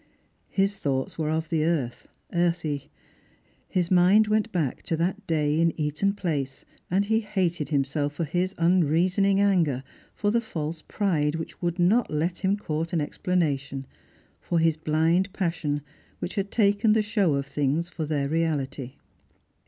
His thoughts were of the earth, earthy. Hi; mind went back to that day in Eaton place, and he hated him Belf for his unreasoning anger, for the false pride which would not let him court an explanation ; for his blind passion, which had taken the show of things for their reality.